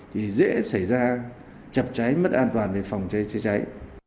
thì dễ xảy ra chập cháy mất an toàn về phòng cháy chữa cháy